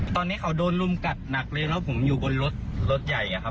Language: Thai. ตอนนี้เขาโดนรุมกัดหนักเลยแล้วผมอยู่บนรถรถใหญ่อะครับ